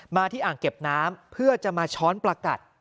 ที่อ่างเก็บน้ำเพื่อจะมาช้อนประกัด